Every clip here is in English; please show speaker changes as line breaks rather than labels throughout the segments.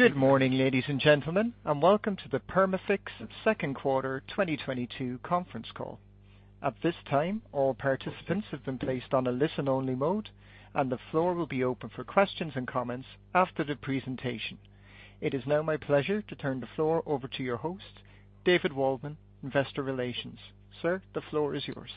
Good morning, ladies and gentlemen, and welcome to the Perma-Fix Second Quarter 2022 Conference Call. At this time, all participants have been placed on a listen-only mode, and the floor will be open for questions and comments after the presentation. It is now my pleasure to turn the floor over to your host, David Waldman, Investor Relations. Sir, the floor is yours.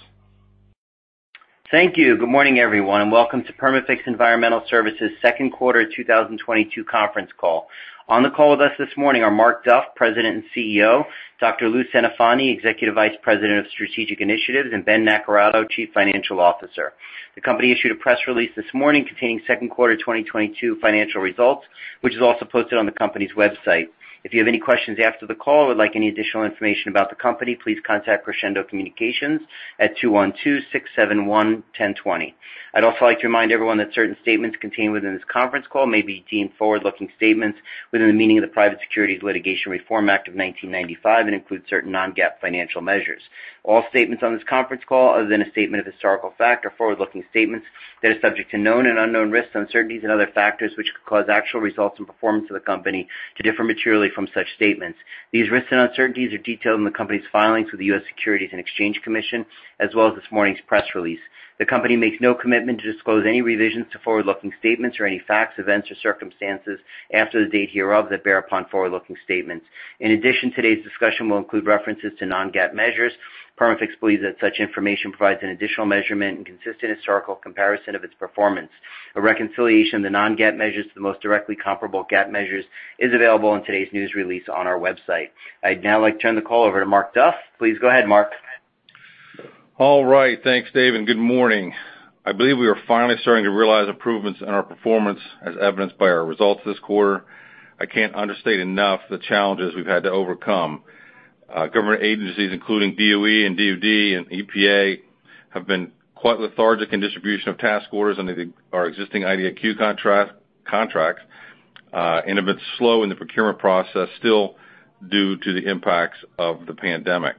Thank you. Good morning, everyone, and welcome to Perma-Fix Environmental Services Second Quarter 2022 Conference Call. On the call with us this morning are Mark Duff, President and CEO, Dr. Lou Centofanti, Executive Vice President of Strategic Initiatives, and Ben Naccarato, Chief Financial Officer. The company issued a press release this morning containing second quarter 2022 financial results, which is also posted on the company's website. If you have any questions after the call or would like any additional information about the company, please contact Crescendo Communications at 212-671-1020. I'd also like to remind everyone that certain statements contained within this conference call may be deemed forward-looking statements within the meaning of the Private Securities Litigation Reform Act of 1995 and includes certain non-GAAP financial measures. All statements on this conference call, other than a statement of historical fact, are forward-looking statements that are subject to known and unknown risks, uncertainties and other factors which could cause actual results and performance of the company to differ materially from such statements. These risks and uncertainties are detailed in the company's filings with the U.S. Securities and Exchange Commission, as well as this morning's press release. The company makes no commitment to disclose any revisions to forward-looking statements or any facts, events or circumstances after the date hereof that bear upon forward-looking statements. In addition, today's discussion will include references to non-GAAP measures. Perma-Fix believes that such information provides an additional measurement and consistent historical comparison of its performance. A reconciliation of the non-GAAP measures to the most directly comparable GAAP measures is available in today's news release on our website. I'd now like to turn the call over to Mark Duff. Please go ahead, Mark.
All right. Thanks, Dave, and good morning. I believe we are finally starting to realize improvements in our performance as evidenced by our results this quarter. I can't understate enough the challenges we've had to overcome. Government agencies, including DOE and DoD and EPA, have been quite lethargic in distribution of task orders under our existing IDIQ contract, and have been slow in the procurement process, still due to the impacts of the pandemic.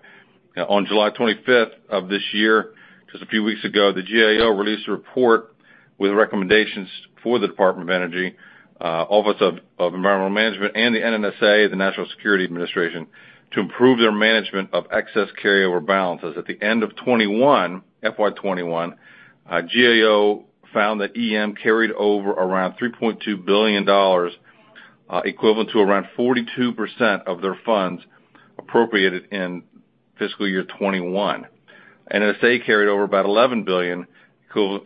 On July twenty-fifth of this year, just a few weeks ago, the GAO released a report with recommendations for the Department of Energy, Office of Environmental Management, and the NNSA, the National Nuclear Security Administration, to improve their management of excess carryover balances. At the end of 2021, FY 2021, GAO found that EM carried over around $3.2 billion, equivalent to around 42% of their funds appropriated in fiscal year 2021. NNSA carried over about $11 billion,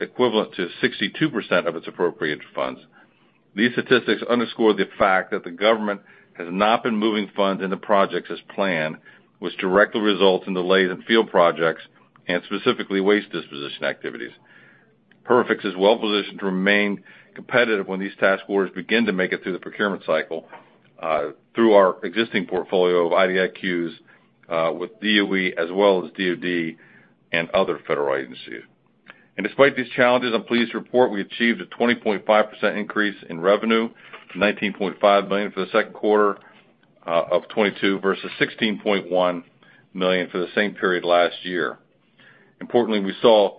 equivalent to 62% of its appropriated funds. These statistics underscore the fact that the government has not been moving funds into projects as planned, which directly results in delays in field projects and specifically waste disposition activities. Perma-Fix is well positioned to remain competitive when these task orders begin to make it through the procurement cycle, through our existing portfolio of IDIQs, with DOE as well as DoD and other federal agencies. Despite these challenges, I'm pleased to report we achieved a 20.5% increase in revenue to $19.5 million for the second quarter of 2022 versus $16.1 million for the same period last year. Importantly, we saw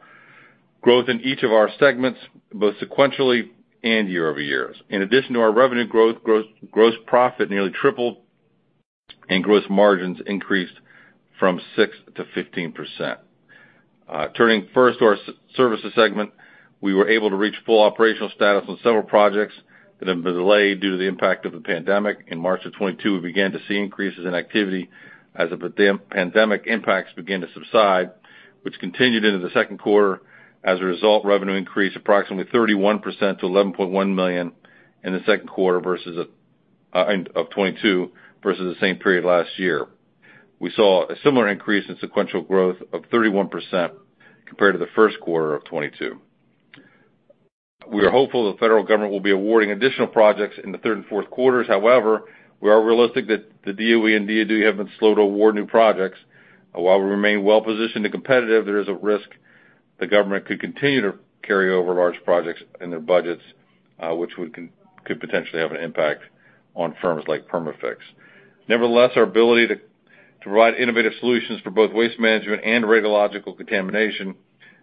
growth in each of our segments both sequentially and year-over-year. In addition to our revenue growth, gross profit nearly tripled and gross margins increased from 6% to 15%. Turning first to our services segment, we were able to reach full operational status on several projects that have been delayed due to the impact of the pandemic. In March of 2022, we began to see increases in activity as the pandemic impacts began to subside, which continued into the second quarter. As a result, revenue increased approximately 31% to $11.1 million in the second quarter of 2022 versus the same period last year. We saw a similar increase in sequential growth of 31% compared to the first quarter of 2022. We are hopeful the federal government will be awarding additional projects in the third and fourth quarters. However, we are realistic that the DOE and DoD have been slow to award new projects. While we remain well positioned and competitive, there is a risk the government could continue to carry over large projects in their budgets, which could potentially have an impact on firms like Perma-Fix. Nevertheless, our ability to provide innovative solutions for both waste management and radiological contamination,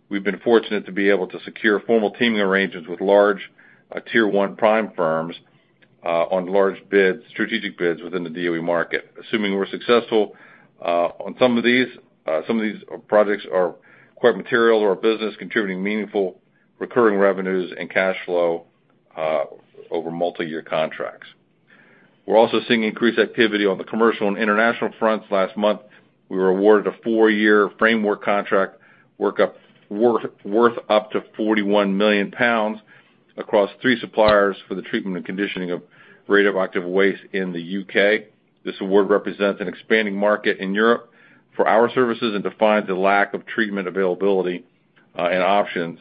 we've been fortunate to be able to secure formal teaming arrangements with large, tier one prime firms, on large bids, strategic bids within the DOE market. Assuming we're successful, on some of these, some of these projects are quite material to our business, contributing meaningful recurring revenues and cash flow, over multi-year contracts. We're also seeing increased activity on the commercial and international fronts. Last month, we were awarded a four-year framework contract worth up to 41 million pounds across three suppliers for the treatment and conditioning of radioactive waste in the U.K. This award represents an expanding market in Europe for our services and defines a lack of treatment availability, and options,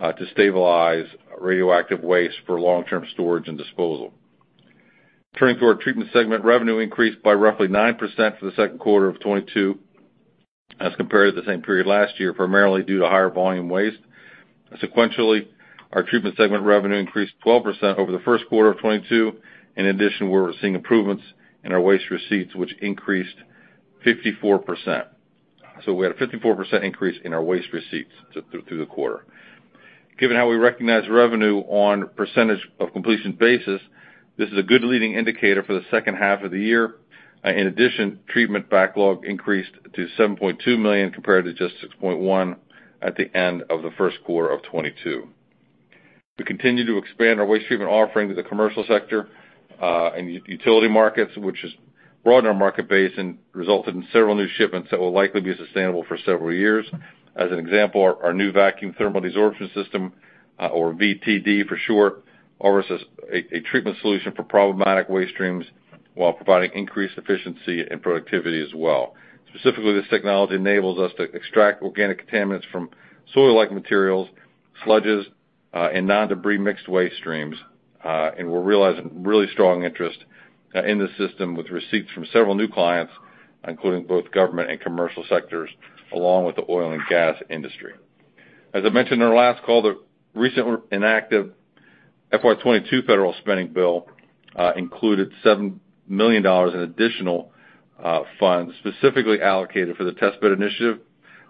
to stabilize radioactive waste for long-term storage and disposal. Turning to our treatment segment, revenue increased by roughly 9% for the second quarter of 2022 as compared to the same period last year, primarily due to higher volume waste. Sequentially, our treatment segment revenue increased 12% over the first quarter of 2022. In addition, we're seeing improvements in our waste receipts, which increased 54%. We had a 54% increase in our waste receipts through the quarter. Given how we recognize revenue on percentage of completion basis, this is a good leading indicator for the second half of the year. In addition, treatment backlog increased to $7.2 million compared to just $6.1 million at the end of the first quarter of 2022. We continue to expand our waste treatment offering to the commercial sector and utility markets, which has broadened our market base and resulted in several new shipments that will likely be sustainable for several years. As an example, our new vacuum thermal desorption system, or VTD for short, offers us a treatment solution for problematic waste streams while providing increased efficiency and productivity as well. Specifically, this technology enables us to extract organic contaminants from soil-like materials, sludges, and non-debris mixed waste streams. We're realizing really strong interest in this system with receipts from several new clients, including both government and commercial sectors, along with the oil and gas industry. As I mentioned in our last call, the recent omnibus FY 2022 federal spending bill included $7 million in additional funds specifically allocated for the Test Bed Initiative,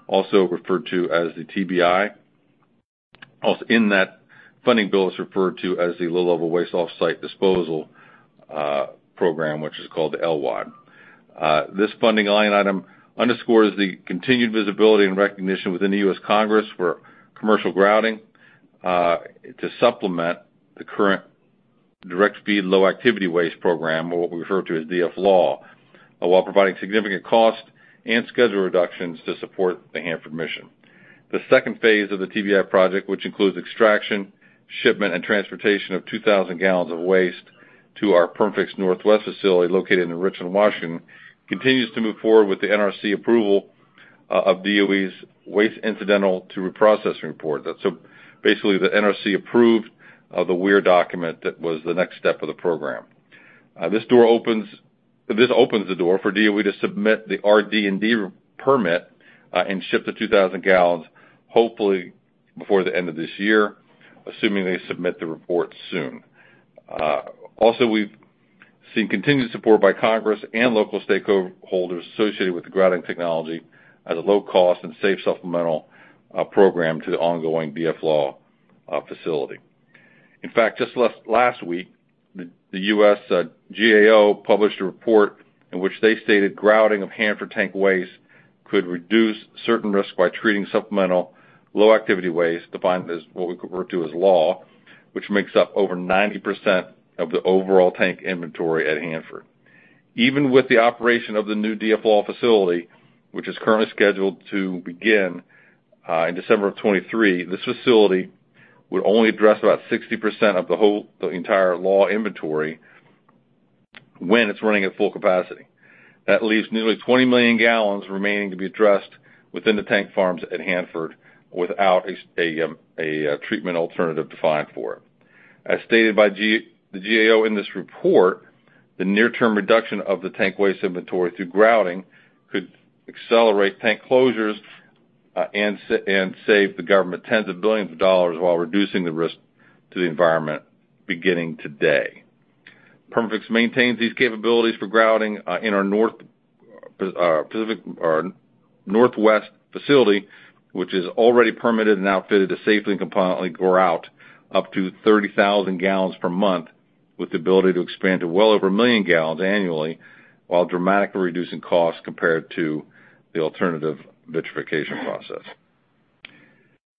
also referred to as the TBI. Also in that funding bill is referred to as the Low-Level Waste Off-Site Disposal program, which is called the LWOD. This funding line item underscores the continued visibility and recognition within the U.S. Congress for commercial grouting to supplement the current Direct-Feed Low-Activity Waste program, or what we refer to as DFLAW, while providing significant cost and schedule reductions to support the Hanford mission. The second phase of the TBI project, which includes extraction, shipment, and transportation of 2,000 gallons of waste to our Perma-Fix Northwest facility located in Richland, Washington, continues to move forward with the NRC approval of DOE's Waste Incidental to Reprocessing Report. Basically, the NRC approved of the WIR document that was the next step of the program. This opens the door for DOE to submit the RD&D permit, and ship the 2,000 gallons hopefully before the end of this year, assuming they submit the report soon. Also, we've seen continued support by Congress and local stakeholders associated with the grouting technology as a low-cost and safe supplemental program to the ongoing DFLAW facility. In fact, just last week, the U.S. GAO published a report in which they stated grouting of Hanford tank waste could reduce certain risk by treating supplemental low-activity waste, defined as what we refer to as LAW, which makes up over 90% of the overall tank inventory at Hanford. Even with the operation of the new DFLAW facility, which is currently scheduled to begin in December of 2023, this facility would only address about 60% of the entire LAW inventory when it's running at full capacity. That leaves nearly 20 million gallons remaining to be addressed within the tank farms at Hanford without a treatment alternative defined for it. As stated by the GAO in this report, the near-term reduction of the tank waste inventory through grouting could accelerate tank closures and save the government tens of billions of dollars while reducing the risk to the environment beginning today. Perma-Fix maintains these capabilities for grouting in our Perma-Fix Northwest facility, which is already permitted and outfitted to safely and compliantly grout up to 30,000 gallons per month with the ability to expand to well over 1 million gallons annually while dramatically reducing costs compared to the alternative vitrification process.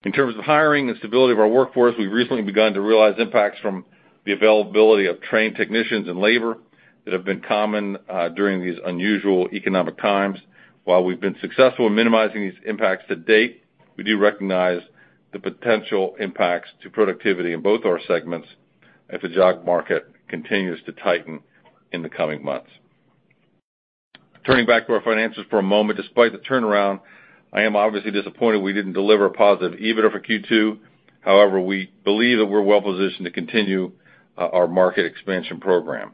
In terms of hiring and stability of our workforce, we've recently begun to realize impacts from the availability of trained technicians and labor that have been common during these unusual economic times. While we've been successful in minimizing these impacts to date, we do recognize the potential impacts to productivity in both our segments if the job market continues to tighten in the coming months. Turning back to our financials for a moment, despite the turnaround, I am obviously disappointed we didn't deliver a positive EBITDA for Q2. However, we believe that we're well-positioned to continue our market expansion program.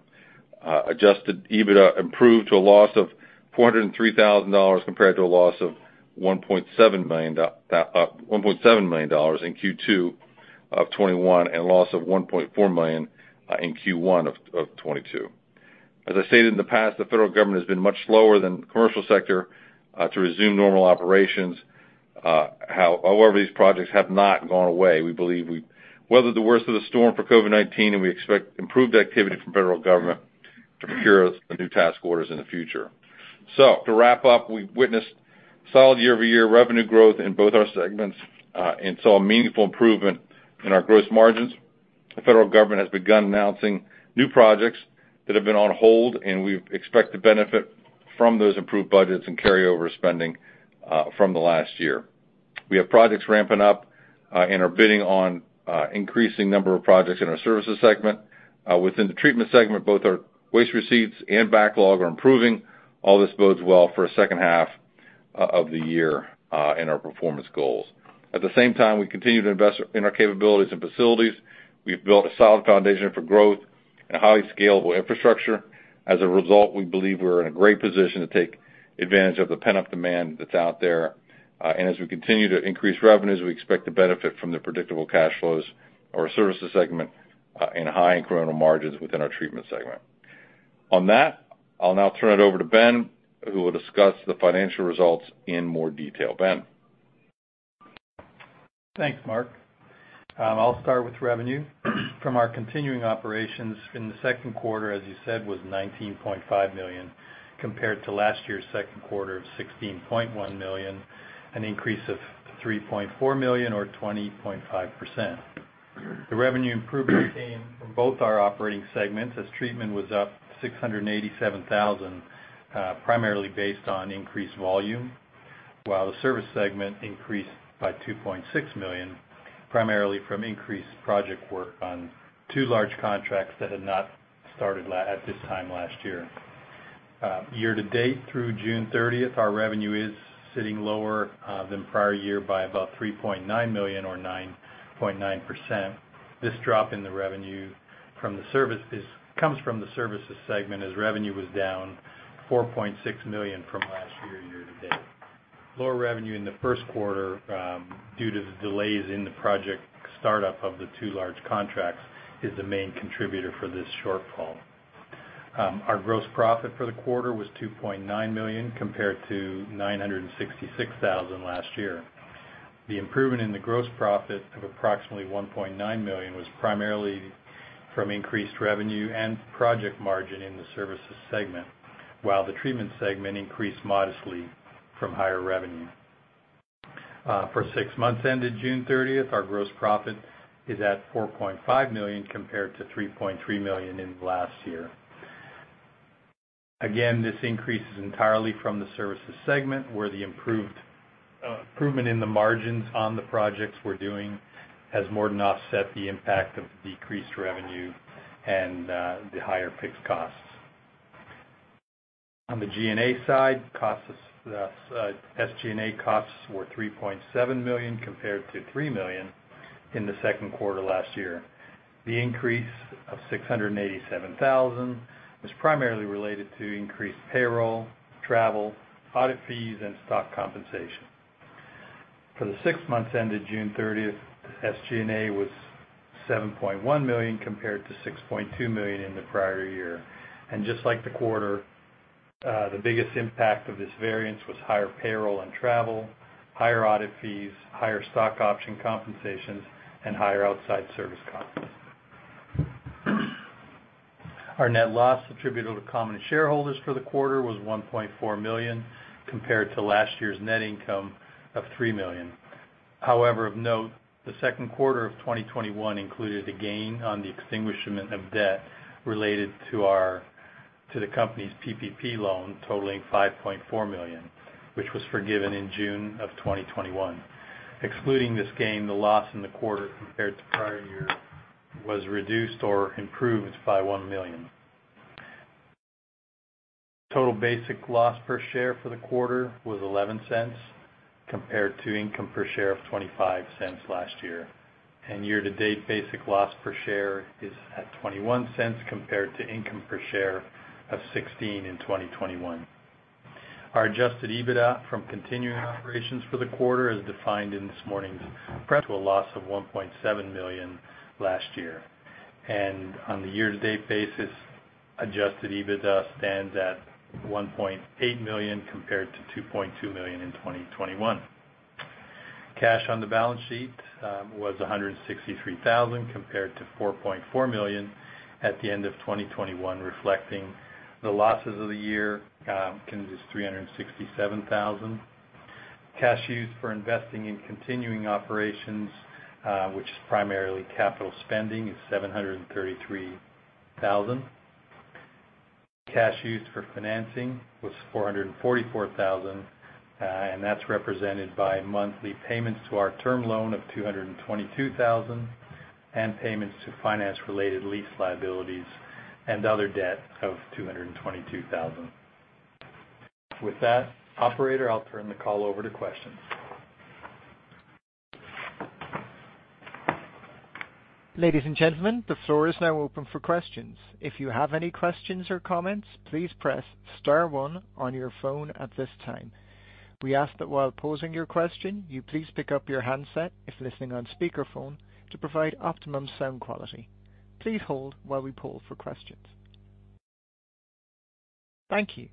Adjusted EBITDA improved to a loss of $403,000 compared to a loss of $1.7 million dollars in Q2 of 2021, and loss of $1.4 million in Q1 of 2022. As I stated in the past, the federal government has been much slower than commercial sector to resume normal operations. However, these projects have not gone away. We believe we've weathered the worst of the storm for COVID-19, and we expect improved activity from federal government to procure the new task orders in the future. To wrap up, we've witnessed solid year-over-year revenue growth in both our segments, and saw a meaningful improvement in our gross margins. The federal government has begun announcing new projects that have been on hold, and we expect to benefit from those improved budgets and carryover spending from the last year. We have projects ramping up and are bidding on increasing number of projects in our services segment. Within the treatment segment, both our waste receipts and backlog are improving. All this bodes well for a second half of the year and our performance goals. At the same time, we continue to invest in our capabilities and facilities. We've built a solid foundation for growth and a highly scalable infrastructure. As a result, we believe we're in a great position to take advantage of the pent-up demand that's out there, and as we continue to increase revenues, we expect to benefit from the predictable cash flows of our services segment, and high incremental margins within our treatment segment. On that, I'll now turn it over to Ben, who will discuss the financial results in more detail. Ben?
Thanks, Mark. I'll start with revenue. From our continuing operations in the second quarter, as you said, was $19.5 million compared to last year's second quarter of $16.1 million, an increase of $3.4 million or 20.5%. The revenue improvement came from both our operating segments as treatment was up $687,000, primarily based on increased volume, while the service segment increased by $2.6 million, primarily from increased project work on two large contracts that had not started at this time last year. Year-to-date through June thirtieth, our revenue is sitting lower than prior year by about $3.9 million or 9.9%. This drop in the revenue from the services comes from the services segment as revenue was down $4.6 million from last year year-to-date. Lower revenue in the first quarter due to the delays in the project startup of the two large contracts is the main contributor for this shortfall. Our gross profit for the quarter was $2.9 million compared to $966,000 last year. The improvement in the gross profit of approximately $1.9 million was primarily from increased revenue and project margin in the services segment, while the treatment segment increased modestly from higher revenue. For six months ended June 30, our gross profit is at $4.5 million compared to $3.3 million last year. This increase is entirely from the services segment, where the improvement in the margins on the projects we're doing has more than offset the impact of decreased revenue and the higher fixed costs. On the G&A side, costs, SG&A costs were $3.7 million compared to $3 million in the second quarter last year. The increase of $687,000 was primarily related to increased payroll, travel, audit fees, and stock compensation. For the six months ended June 30, SG&A was $7.1 million compared to $6.2 million in the prior year. Just like the quarter, the biggest impact of this variance was higher payroll and travel, higher audit fees, higher stock option compensations, and higher outside service costs. Our net loss attributable to common shareholders for the quarter was $1.4 million compared to last year's net income of $3 million. However, of note, the second quarter of 2021 included a gain on the extinguishment of debt related to the company's PPP loan totaling $5.4 million, which was forgiven in June of 2021. Excluding this gain, the loss in the quarter compared to prior year was reduced or improved by $1 million. Total basic loss per share for the quarter was $0.11 compared to income per share of $0.25 last year. Year-to-date basic loss per share is at $0.21 compared to income per share of $0.16 in 2021. Our Adjusted EBITDA from continuing operations for the quarter, as defined in this morning's press release, compared to a loss of $1.7 million last year. On the year-to-date basis, Adjusted EBITDA stands at $1.8 million compared to $2.2 million in 2021. Cash on the balance sheet was $163,000 compared to $4.4 million at the end of 2021, reflecting the losses of the year is $367,000. Cash used for investing in continuing operations, which is primarily capital spending, is $733,000. Cash used for financing was $444,000, and that's represented by monthly payments to our term loan of $222,000 and payments to finance-related lease liabilities and other debt of $222,000. With that, operator, I'll turn the call over to questions.
Ladies and gentlemen, the floor is now open for questions. If you have any questions or comments, please press star one on your phone at this time. We ask that while posing your question, you please pick up your handset if listening on speakerphone to provide optimum sound quality. Please hold while we poll for questions. Thank you.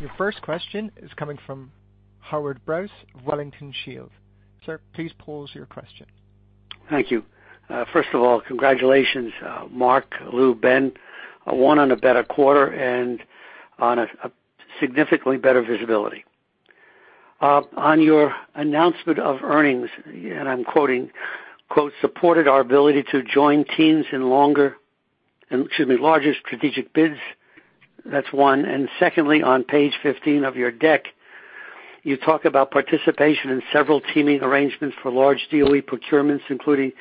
Your first question is coming from Howard Brous of Wellington Shields. Sir, please pose your question.
Thank you. First of all, congratulations, Mark, Lou, Ben, one on a better quarter and on a significantly better visibility. On your announcement of earnings, and I'm quoting, quote, "Supported our ability to join teams in larger strategic bids." That's one. Secondly, on page 15 of your deck, you talk about participation in several teaming arrangements for large DOE procurements, including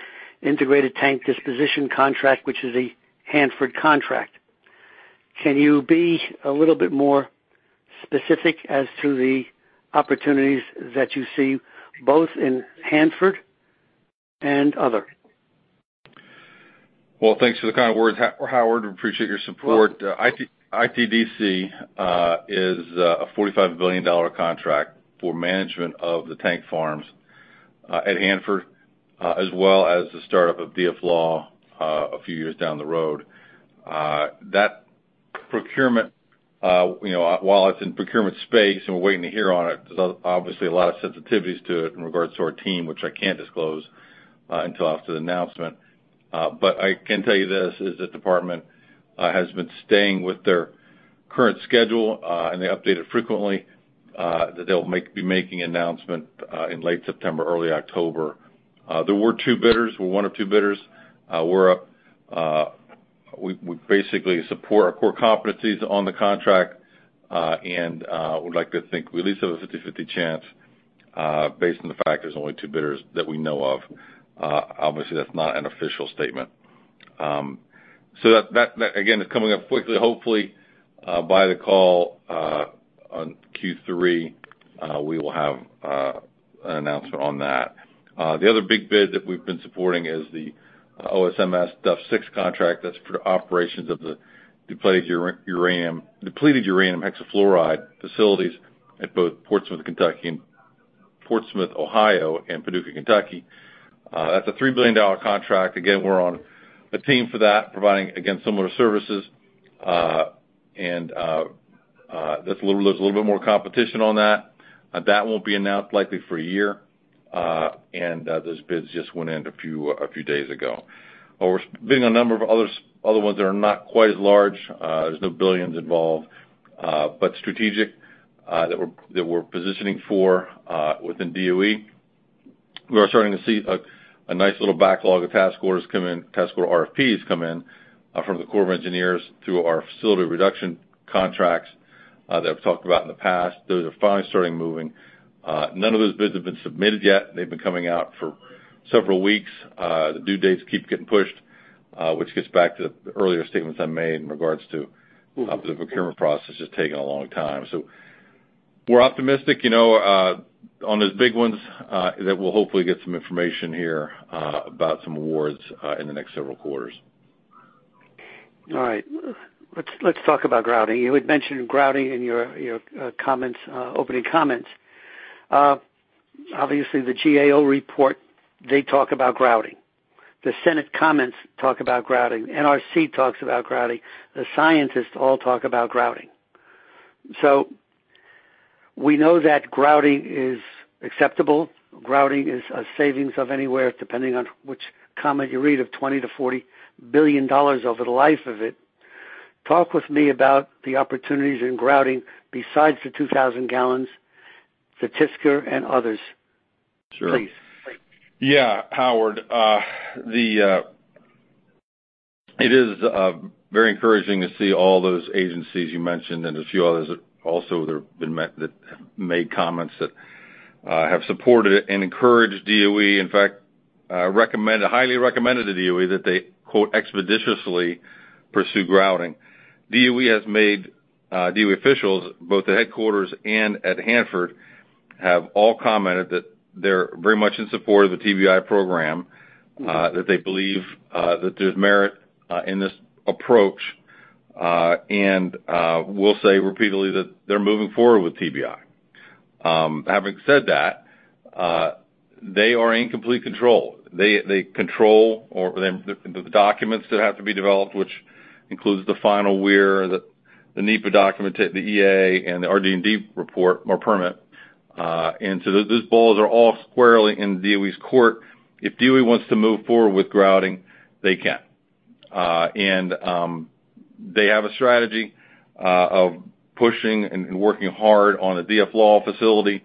Integrated Tank Disposition Contract, which is a Hanford contract. Can you be a little bit more specific as to the opportunities that you see both in Hanford and other?
Well, thanks for the kind words, Howard. We appreciate your support. ITDC is a $45 billion contract for management of the tank farms at Hanford as well as the startup of DFLAW a few years down the road. That procurement, you know, while it's in procurement space and we're waiting to hear on it, there's obviously a lot of sensitivities to it in regards to our team, which I can't disclose until after the announcement. I can tell you this, the department has been staying with their current schedule and they update it frequently that they'll be making an announcement in late September, early October. There were two bidders. We're one of two bidders. We basically support our core competencies on the contract and would like to think we at least have a 50/50 chance based on the fact there's only two bidders that we know of. Obviously, that's not an official statement. That again is coming up quickly. Hopefully, by the call on Q3, we will have an announcement on that. The other big bid that we've been supporting is the OSMS DUF6 contract. That's for the operations of the depleted uranium hexafluoride facilities at both Portsmouth, Kentucky, and Portsmouth, Ohio, and Paducah, Kentucky. That's a $3 billion contract. Again, we're on a team for that, providing again similar services. There's a little bit more competition on that. That won't be announced likely for a year, and those bids just went in a few days ago. We're bidding a number of other ones that are not quite as large. There's no billions involved, but strategic that we're positioning for within DOE. We are starting to see a nice little backlog of task orders come in, task order RFPs come in, from the Corps of Engineers through our facility reduction contracts that I've talked about in the past. Those are finally starting moving. None of those bids have been submitted yet. They've been coming out for several weeks. The due dates keep getting pushed, which gets back to the earlier statements I made in regards to how the procurement process is taking a long time. We're optimistic, you know, on those big ones, that we'll hopefully get some information here, about some awards, in the next several quarters.
All right. Let's talk about grouting. You had mentioned grouting in your comments, opening comments. Obviously, the GAO report, they talk about grouting. The Senate comments talk about grouting. NRC talks about grouting. The scientists all talk about grouting. We know that grouting is acceptable. Grouting is a savings of anywhere, depending on which comment you read, of $20 billion-$40 billion over the life of it. Talk with me about the opportunities in grouting besides the 2,000 gallons for TSCR and others.
Sure.
Please.
Yeah, Howard. It is very encouraging to see all those agencies you mentioned and a few others that have made comments that have supported it and encouraged DOE, in fact, highly recommended to DOE that they, quote, expeditiously pursue grouting. DOE officials, both at headquarters and at Hanford, have all commented that they're very much in support of the TBI program, that they believe that there's merit in this approach, and we'll say repeatedly that they're moving forward with TBI. Having said that, they are in complete control. They control the documents that have to be developed, which includes the final EIS, the NEPA document, the EA, and the RD&D report or permit. Those balls are all squarely in DOE's court. If DOE wants to move forward with grouting, they can. They have a strategy of pushing and working hard on a DF-LAW facility,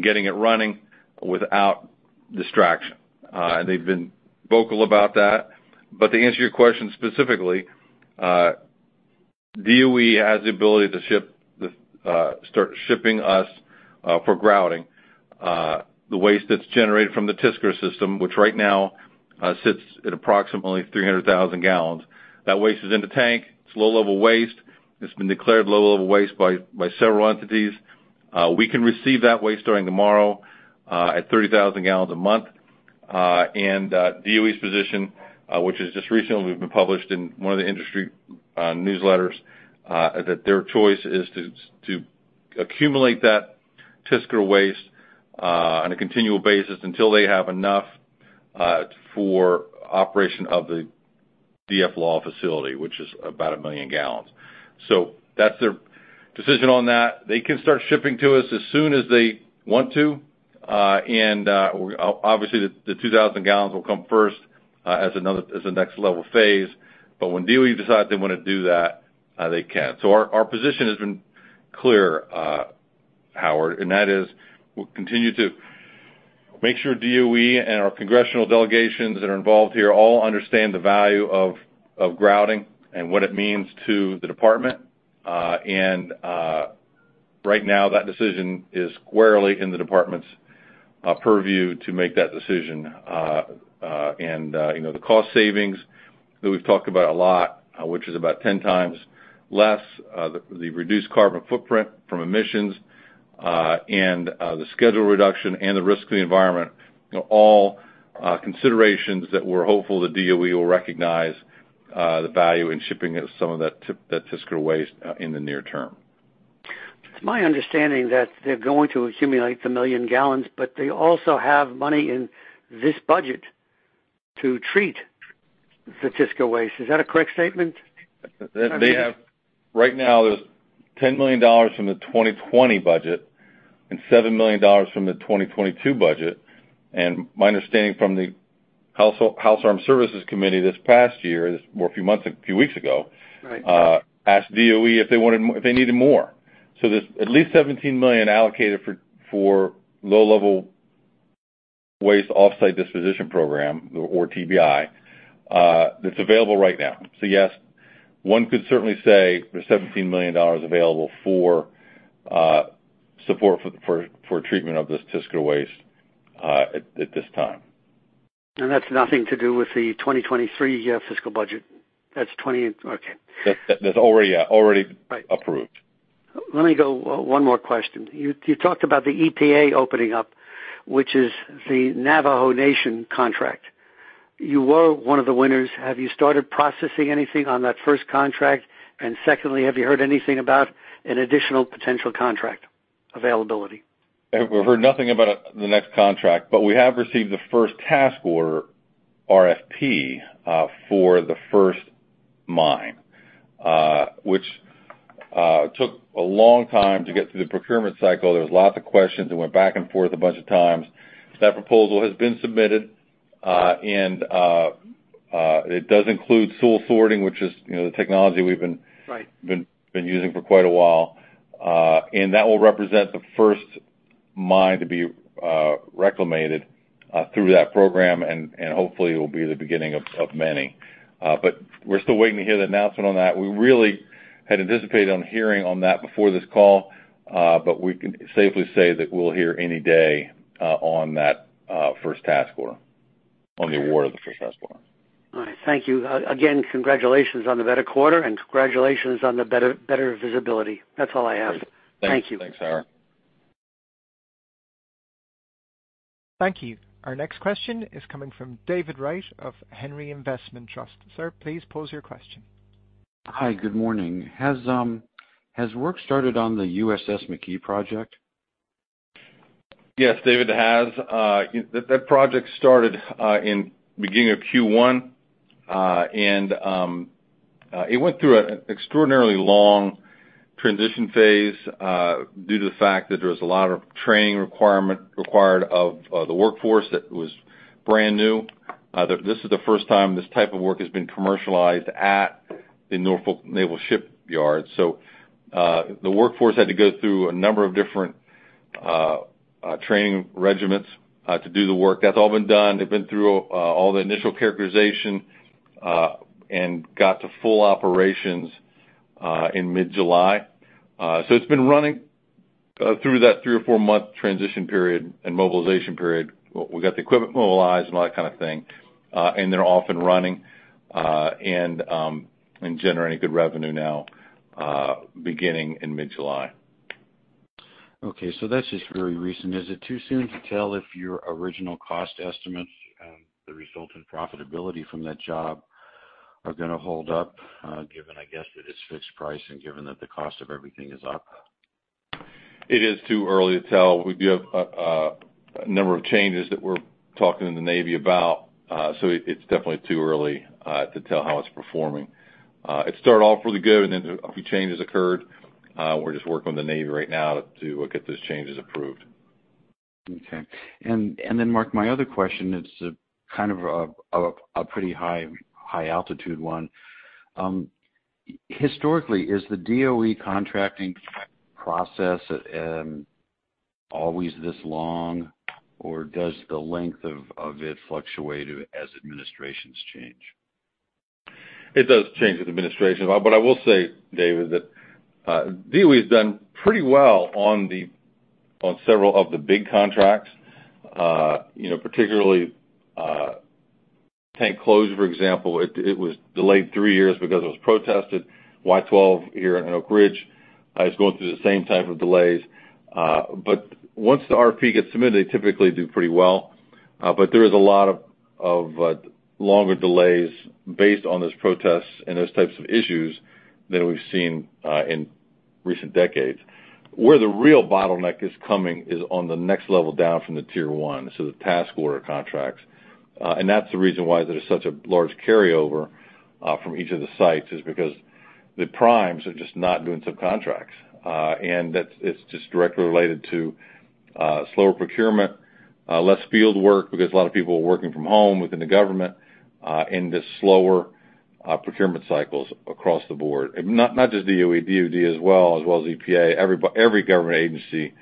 getting it running without distraction. They've been vocal about that. But to answer your question specifically, DOE has the ability to start shipping us for grouting the waste that's generated from the TSCR system, which right now sits at approximately 300,000 gallons. That waste is in the tank. It's low-level waste. It's been declared low-level waste by several entities. We can receive that waste starting tomorrow at 30,000 gallons a month. DOE's position, which has just recently been published in one of the industry newsletters, that their choice is to accumulate that TSCR waste on a continual basis until they have enough for operation of the DFLAW facility, which is about 1 million gallons. That's their decision on that. They can start shipping to us as soon as they want to. Obviously, the 2,000 gallons will come first, as the next level phase. When DOE decides they wanna do that, they can. Our position has been clear, Howard, and that is we'll continue to make sure DOE and our congressional delegations that are involved here all understand the value of grouting and what it means to the department. Right now, that decision is squarely in the department's purview to make that decision. You know, the cost savings that we've talked about a lot, which is about 10 times less, the reduced carbon footprint from emissions, and the schedule reduction and the risky environment are all considerations that we're hopeful the DOE will recognize the value in shipping some of that TSCR waste in the near term.
It's my understanding that they're going to accumulate 1 million gallons, but they also have money in this budget to treat the TSCR waste. Is that a correct statement?
Right now, there's $10 million from the 2020 budget and $7 million from the 2022 budget. My understanding from the House Armed Services Committee this past year, well, a few months, a few weeks ago
Right.
Asked DOE if they needed more. There's at least $17 million allocated for low-level waste off-site disposition program or TBI, that's available right now. Yes, one could certainly say there's $17 million available for support for treatment of this TSCR waste, at this time.
That's nothing to do with the 2023 fiscal budget. That's twenty... Okay.
That's already approved.
Let me go one more question. You talked about the EPA opening up, which is the Navajo Nation contract. You were one of the winners. Have you started processing anything on that first contract? And secondly, have you heard anything about an additional potential contract availability?
We've heard nothing about the next contract, but we have received the first task order RFP for the first mine, which took a long time to get through the procurement cycle. There was lots of questions. It went back and forth a bunch of times. That proposal has been submitted, and it does include soil sorting, which is, you know, the technology we've been-
Right.
Been using for quite a while. That will represent the first mine to be reclaimed through that program, and hopefully it will be the beginning of many. We're still waiting to hear the announcement on that. We really had anticipated hearing on that before this call, but we can safely say that we'll hear any day on that first task order, on the award of the first task order.
All right. Thank you. Again, congratulations on the better quarter, and congratulations on the better visibility. That's all I have.
Great.
Thank you.
Thanks, Howard.
Thank you. Our next question is coming from David Wright of Henry Investment Trust. Sir, please pose your question.
Hi, good morning. Has work started on the USS McKee project?
Yes, David, it has. That project started in the beginning of Q1. It went through an extraordinarily long transition phase due to the fact that there was a lot of training requirement required of the workforce that was brand new. This is the first time this type of work has been commercialized at the Norfolk Naval Shipyard. The workforce had to go through a number of different training regimens to do the work. That's all been done. They've been through all the initial characterization and got to full operations in mid-July. It's been running through that three- or four-month transition period and mobilization period. We got the equipment mobilized and all that kind of thing, and they're off and running, and generating good revenue now, beginning in mid-July.
Okay, that's just very recent. Is it too soon to tell if your original cost estimates and the resultant profitability from that job are gonna hold up, given, I guess, that it's fixed price and given that the cost of everything is up?
It is too early to tell. We do have a number of changes that we're talking to the Navy about, so it's definitely too early to tell how it's performing. It started off really good, and then a few changes occurred. We're just working with the Navy right now to get those changes approved.
Okay. Mark, my other question is kind of a pretty high altitude one. Historically, is the DOE contracting process always this long, or does the length of it fluctuate as administrations change?
It does change with administration. I will say, David, that, DOE has done pretty well on several of the big contracts, you know, particularly, Tank Closure, for example, it was delayed three years because it was protested. Y-12 here in Oak Ridge is going through the same type of delays. Once the RFP gets submitted, they typically do pretty well. There is a lot of longer delays based on those protests and those types of issues than we've seen in recent decades. Where the real bottleneck is coming is on the next level down from the tier one, so the task order contracts. That's the reason why there's such a large carryover from each of the sites, is because the primes are just not doing subcontracts. It's just directly related to slower procurement, less field work because a lot of people are working from home within the government, and just slower procurement cycles across the board. Not just DOE, DoD as well as EPA, every government agency.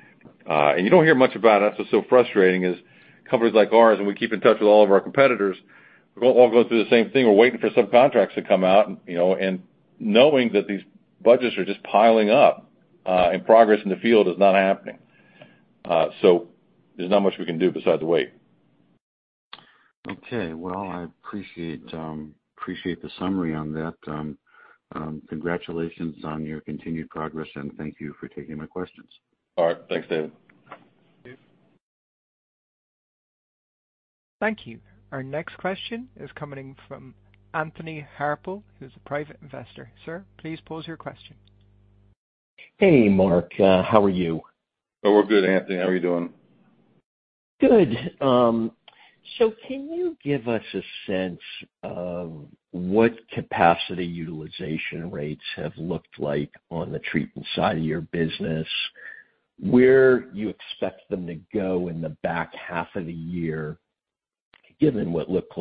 You don't hear much about it. That's what's so frustrating is companies like ours, and we keep in touch with all of our competitors, we're all going through the same thing. We're waiting for subcontracts to come out, you know, and knowing that these budgets are just piling up, and progress in the field is not happening. There's not much we can do besides wait.
Okay. Well, I appreciate the summary on that. Congratulations on your continued progress, and thank you for taking my questions.
All right. Thanks, David.
Thank you.
Thank you. Our next question is coming from Anthony Harpel, who's a private investor. Sir, please pose your question.
Hey, Mark. How are you?
Oh, we're good, Anthony. How are you doing?
Good. Can you give us a sense of what capacity utilization rates have looked like on the treatment side of your business, where you expect them to go in the back half of the year, given what looks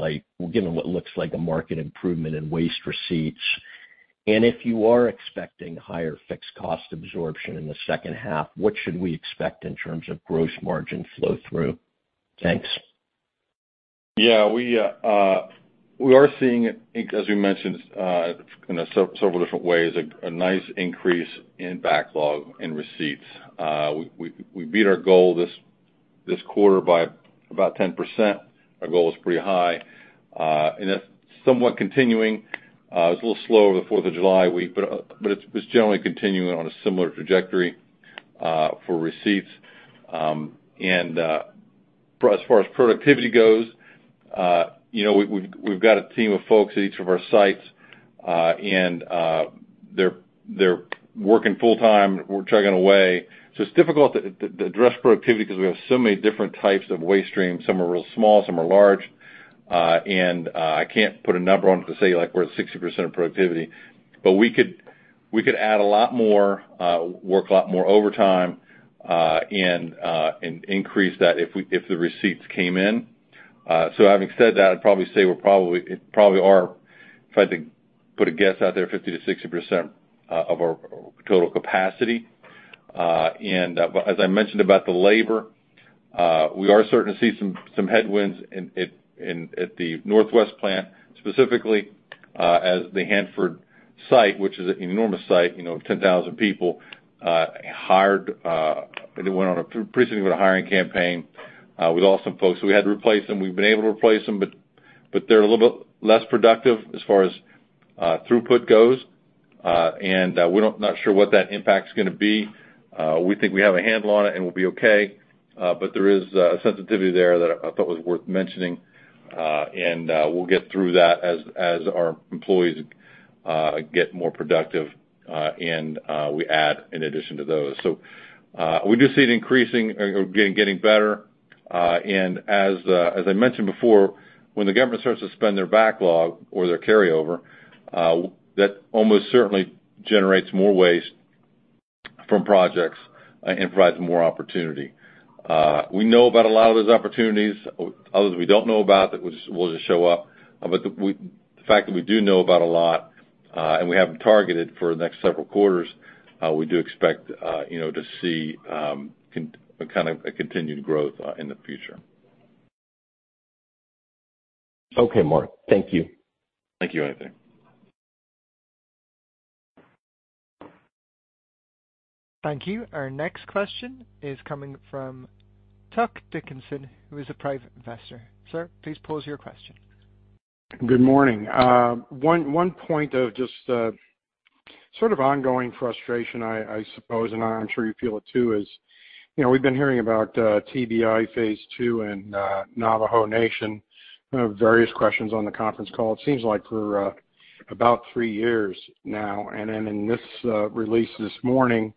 like a market improvement in waste receipts? If you are expecting higher fixed cost absorption in the second half, what should we expect in terms of gross margin flow through? Thanks.
Yeah. We are seeing, as we mentioned, in several different ways, a nice increase in backlog and receipts. We beat our goal this quarter by about 10%. Our goal was pretty high, and that's somewhat continuing. It's a little slow over the Fourth of July week, but it's generally continuing on a similar trajectory for receipts. As far as productivity goes, you know, we've got a team of folks at each of our sites, and they're working full time. We're chugging away. It's difficult to address productivity 'cause we have so many different types of waste streams. Some are real small, some are large. I can't put a number on it to say, like, we're at 60% of productivity, but we could add a lot more work a lot more overtime and increase that if the receipts came in. Having said that, I'd probably say we're probably it probably are, if I had to put a guess out there, 50%-60% of our total capacity. As I mentioned about the labor, we are starting to see some headwinds in at the Northwest plant, specifically, as the Hanford site, which is an enormous site, you know, of 10,000 people hired, and they pretty soon went on a hiring campaign, we lost some folks, so we had to replace them. We've been able to replace them, but they're a little bit less productive as far as throughput goes. We're not sure what that impact is gonna be. We think we have a handle on it and we'll be okay, but there is a sensitivity there that I thought was worth mentioning. We'll get through that as our employees get more productive, and we add in addition to those. We do see it increasing, again, getting better. As I mentioned before, when the government starts to spend their backlog or their carryover, that almost certainly generates more waste from projects and provides more opportunity. We know about a lot of those opportunities. Others we don't know about that will just show up. The fact that we do know about a lot, and we have them targeted for the next several quarters, we do expect, you know, to see kind of a continued growth in the future.
Okay, Mark. Thank you.
Thank you, Anthony.
Thank you. Our next question is coming from Tuck Dickinson, who is a private investor. Sir, please pose your question.
Good morning. One point of just sort of ongoing frustration, I suppose, and I'm sure you feel it too, is you know, we've been hearing about TBI Phase II and Navajo Nation, you know, various questions on the conference call. It seems like for about three years now. Then in this release this morning,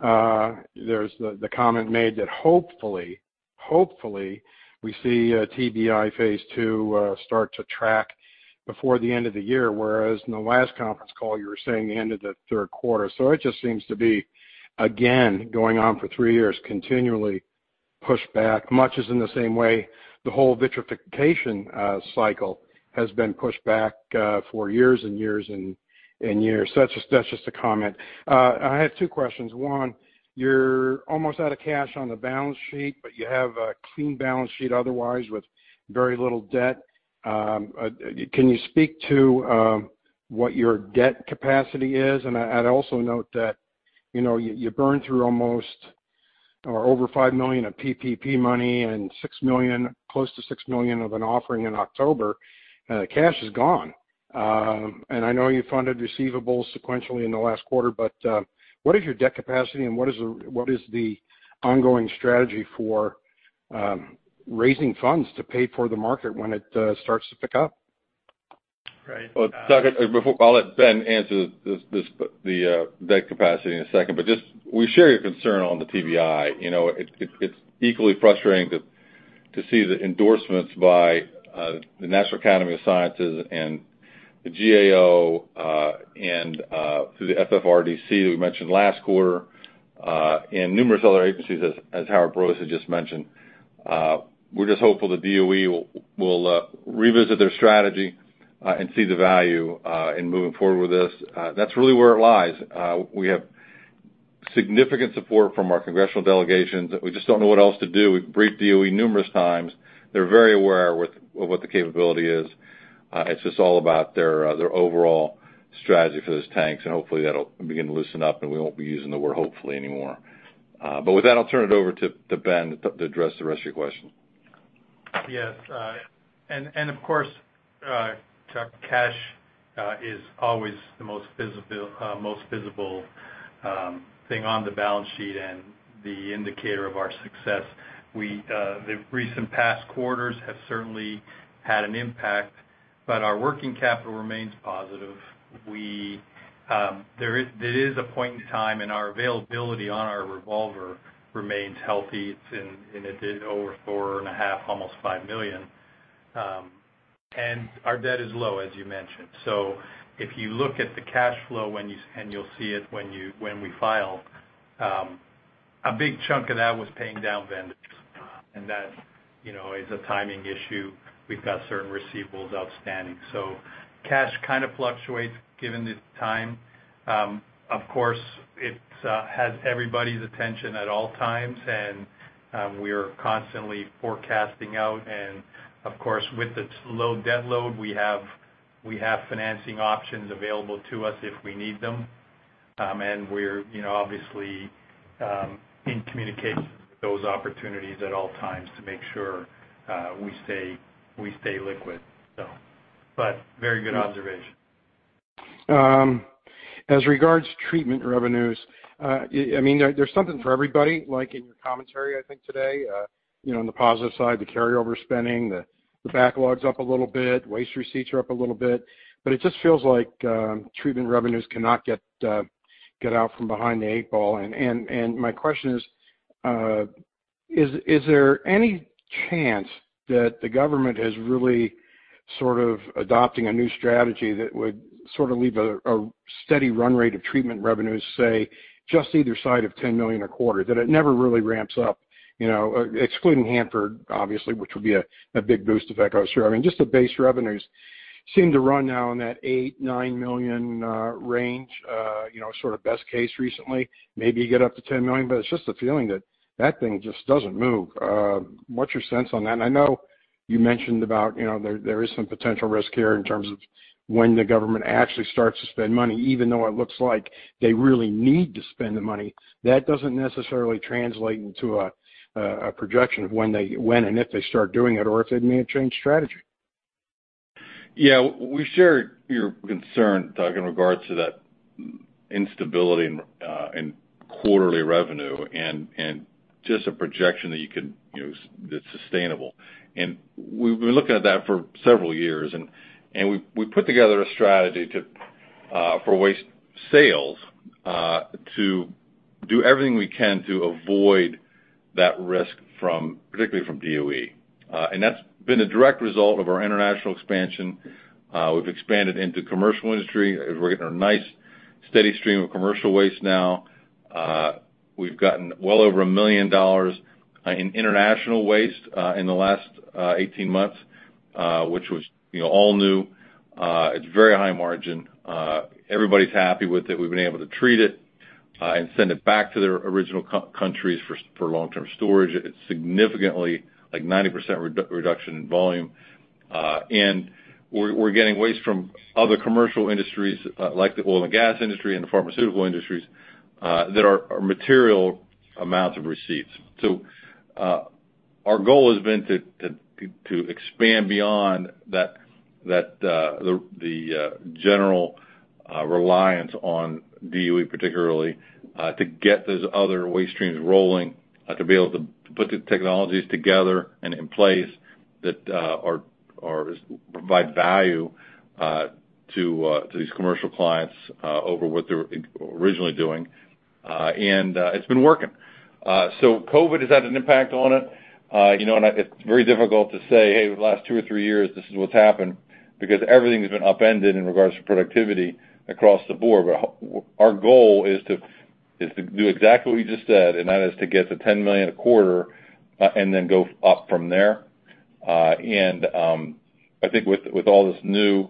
there's the comment made that hopefully we see TBI Phase II start to track before the end of the year, whereas in the last conference call you were saying the end of the third quarter. It just seems to be, again, going on for three years, continually pushed back, much as in the same way the whole vitrification cycle has been pushed back for years and years and years. That's just a comment. I have two questions. One, you're almost out of cash on the balance sheet, but you have a clean balance sheet otherwise with very little debt. Can you speak to what your debt capacity is? I'd also note that, you know, you burned through almost or over $5 million of PPP money and close to $6 million of an offering in October. The cash is gone. I know you funded receivables sequentially in the last quarter, but what is your debt capacity and what is the ongoing strategy for raising funds to pay for the market when it starts to pick up?
Right. Well, Tuck, before I'll let Ben answer this, the debt capacity in a second, but just we share your concern on the TBI. You know, it's equally frustrating to see the endorsements by the National Academy of Sciences and the GAO, and through the FFRDC that we mentioned last quarter, and numerous other agencies, as Howard Brous had just mentioned. We're just hopeful the DOE will revisit their strategy and see the value in moving forward with this. That's really where it lies. We have significant support from our congressional delegations. We just don't know what else to do. We've briefed DOE numerous times. They're very aware with what the capability is. It's just all about their overall strategy for those tanks and hopefully that'll begin to loosen up, and we won't be using the word hopefully anymore. With that, I'll turn it over to Ben to address the rest of your question.
Yes. Of course, Tuck Dickinson, cash is always the most visible thing on the balance sheet and the indicator of our success. The recent past quarters have certainly had an impact, but our working capital remains positive. There is a point in time, and our availability on our revolver remains healthy. It is over $4.5 million, almost $5 million. Our debt is low, as you mentioned. If you look at the cash flow and you'll see it when we file, a big chunk of that was paying down vendors. That, you know, is a timing issue. We've got certain receivables outstanding. Cash kind of fluctuates given the time. Of course, it has everybody's attention at all times, and we are constantly forecasting out. Of course, with the low debt load we have, we have financing options available to us if we need them. We're, you know, obviously, in communication with those opportunities at all times to make sure we stay liquid. Very good observation.
As regards treatment revenues, I mean, there's something for everybody, like in your commentary, I think today. You know, on the positive side, the carryover spending, the backlogs up a little bit, waste receipts are up a little bit. It just feels like treatment revenues cannot get out from behind the eight ball. My question is there any chance that the government is really sort of adopting a new strategy that would sort of leave a steady run rate of treatment revenues, say just either side of $10 million a quarter, that it never really ramps up, you know? Excluding Hanford, obviously, which would be a big boost if that goes through. I mean, just the base revenues seem to run now in that $8-$9 million range, you know, sort of best case recently. Maybe you get up to $10 million, but it's just a feeling that that thing just doesn't move. What's your sense on that? I know you mentioned about, you know, there is some potential risk here in terms of when the government actually starts to spend money, even though it looks like they really need to spend the money. That doesn't necessarily translate into a projection of when and if they start doing it or if they may have changed strategy.
Yeah. We share your concern, Tuck, in regards to that instability and quarterly revenue and just a projection that you can, you know, that's sustainable. We've been looking at that for several years and we put together a strategy to for waste sales to do everything we can to avoid that risk from, particularly from DOE. That's been a direct result of our international expansion. We've expanded into commercial industry. We're getting a nice steady stream of commercial waste now. We've gotten well over $1 million in international waste in the last 18 months, which was, you know, all new. It's very high margin. Everybody's happy with it. We've been able to treat it and send it back to their original countries for long-term storage. It's significantly, like 90% reduction in volume. We're getting waste from other commercial industries, like the oil and gas industry and the pharmaceutical industries, that are material amounts of receipts. Our goal has been to expand beyond that, the general reliance on DOE particularly, to get those other waste streams rolling, to be able to put the technologies together and in place that provide value to these commercial clients over what they were originally doing. It's been working. COVID has had an impact on it. You know, it's very difficult to say, "Hey, the last two or three years, this is what's happened," because everything's been upended in regards to productivity across the board. Our goal is to do exactly what you just said, and that is to get to $10 million a quarter, and then go up from there. I think with all this new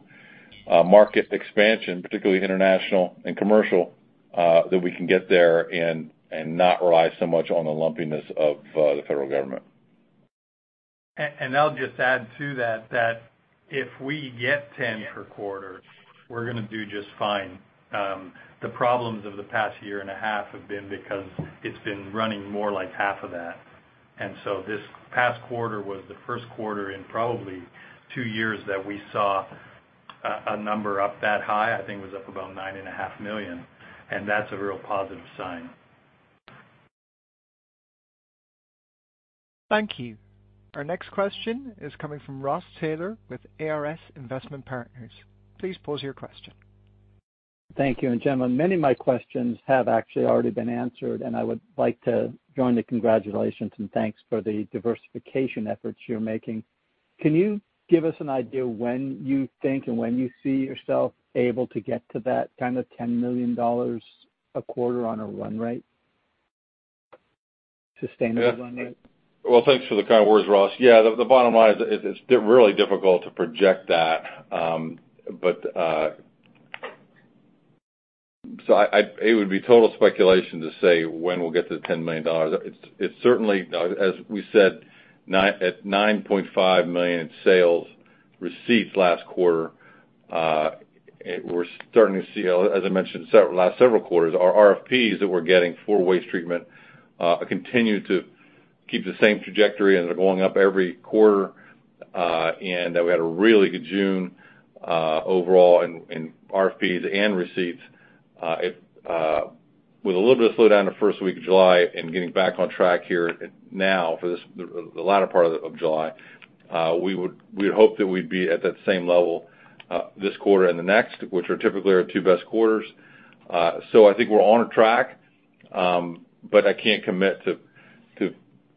market expansion, particularly international and commercial, that we can get there and not rely so much on the lumpiness of the federal government.
I'll just add to that if we get 10 per quarter, we're gonna do just fine. The problems of the past year and a half have been because it's been running more like half of that. This past quarter was the first quarter in probably two years that we saw a number up that high. I think it was up about $9.5 million, and that's a real positive sign.
Thank you. Our next question is coming from Ross Taylor with ARS Investment Partners. Please pose your question.
Thank you. Gentlemen, many of my questions have actually already been answered, and I would like to join the congratulations and thanks for the diversification efforts you're making. Can you give us an idea when you think and when you see yourself able to get to that kind of $10 million a quarter on a run rate? Sustainable run rate.
Yeah. Well, thanks for the kind words, Ross. The bottom line is it's really difficult to project that. It would be total speculation to say when we'll get to the $10 million. It's certainly, as we said, at $9.5 million sales receipts last quarter. We're starting to see, as I mentioned last several quarters, our RFPs that we're getting for waste treatment continue to keep the same trajectory, and they're going up every quarter. We had a really good June overall in RFPs and receipts. It With a little bit of slowdown the first week of July and getting back on track here now for this, the latter part of July, we'd hope that we'd be at that same level, this quarter and the next, which are typically our two best quarters. I think we're on track, but I can't commit to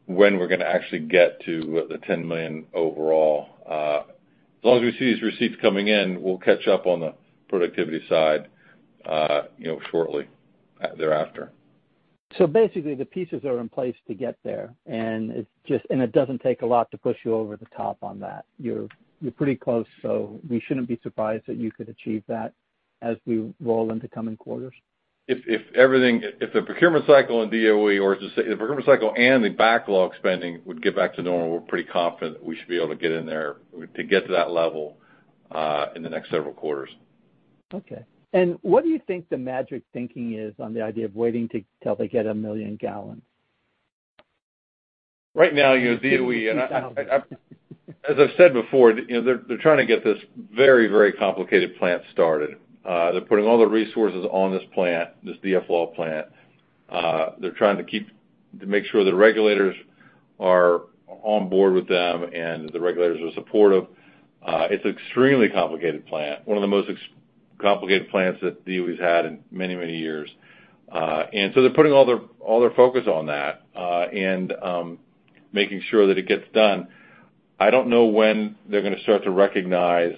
when we're gonna actually get to the $10 million overall. As long as we see these receipts coming in, we'll catch up on the productivity side, you know, shortly thereafter.
Basically, the pieces are in place to get there, and it doesn't take a lot to push you over the top on that. You're pretty close, so we shouldn't be surprised that you could achieve that as we roll into coming quarters.
If the procurement cycle and the backlog spending would get back to normal, we're pretty confident we should be able to get in there to get to that level in the next several quarters.
Okay. What do you think the magic thinking is on the idea of waiting till they get 1 million gallons?
Right now, you know, DOE.
2000.
As I've said before, you know, they're trying to get this very, very complicated plant started. They're putting all their resources on this plant, this DFLAW plant. They're trying to make sure the regulators are on board with them and that the regulators are supportive. It's extremely complicated plant, one of the most complicated plants that DOE's had in many, many years. They're putting all their focus on that, and making sure that it gets done. I don't know when they're gonna start to recognize,